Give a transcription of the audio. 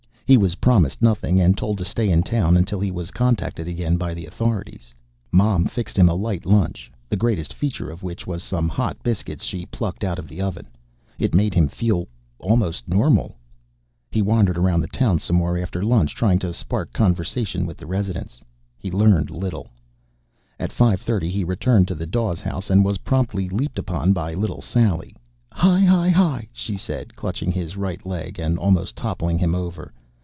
He was promised nothing, and told to stay in town until he was contacted again by the authorities. Mom fixed him a light lunch, the greatest feature of which was some hot biscuits she plucked out of the oven. It made him feel almost normal. He wandered around the town some more after lunch, trying to spark conversation with the residents. He learned little. At five thirty, he returned to the Dawes house, and was promptly leaped upon by little Sally. "Hi! Hi! Hi!" she said, clutching his right leg and almost toppling him over.